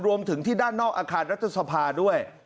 รวมถึงที่ด้านนอกอาคารรัฐสภาด้วย